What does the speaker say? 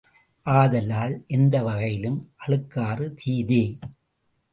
ஆதலால், எந்த வகையிலும் அழுக்காறு தீதே.